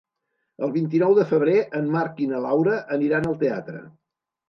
El vint-i-nou de febrer en Marc i na Laura aniran al teatre.